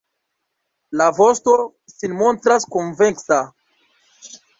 La vosto sin montras konveksa.